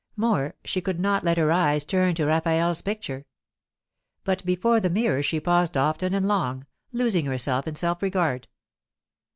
More; she could not let her eyes turn to Raphael's picture. But before the mirrors she paused often and long, losing herself in self regard.